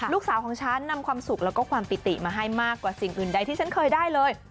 ของฉันนำความสุขแล้วก็ความปิติมาให้มากกว่าสิ่งอื่นใดที่ฉันเคยได้เลย